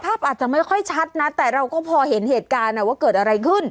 อาจจะไม่ค่อยชัดนะแต่เราก็พอเห็นเหตุการณ์ว่าเกิดอะไรขึ้น